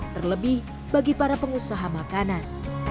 terlebih bagi para pengusaha makanan